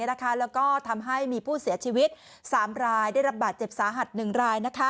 แล้วก็ทำให้มีผู้เสียชีวิต๓รายได้รับบาดเจ็บสาหัส๑ราย